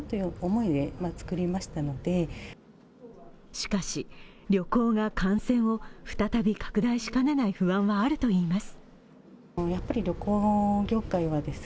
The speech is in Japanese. しかし、旅行が感染を再び拡大しかねない不安はあるといいます。